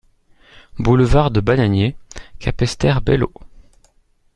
Boulevard de Bananier, Capesterre-Belle-Eau